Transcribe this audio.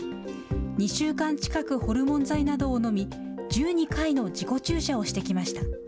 ２週間近く、ホルモン剤などを飲み、１２回の自己注射をしてきました。